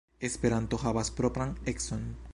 Esperanto havas propran econ.